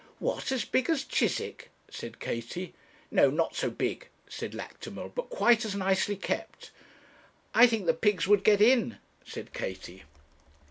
'What! as big as Chiswick?' said Katie. 'No; not so big,' said Lactimel; 'but quite as nicely kept.' 'I think the pigs would get in,' said Katie.